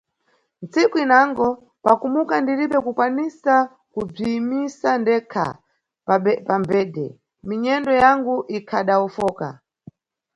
Nntsiku inango, pa kumuka ndiribe kukwanisa kubziyimisa ndekha pa mbhedhe, minyendo yangu ikhadawofoka.